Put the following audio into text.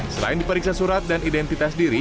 selain diperiksa surat dan identitas diri